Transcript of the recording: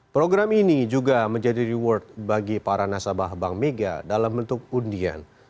program ini juga menjadi reward bagi para nasabah bank mega dalam bentuk undian